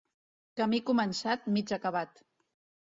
Camí començat, mig acabat.